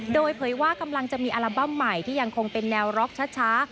โดยเผยว่ากำลังจะมีอัลบั้มใหม่ที่ยังคงเป็นแนวร็อกช้า